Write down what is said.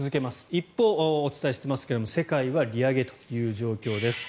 一方、お伝えしていますが世界は利上げという状況です。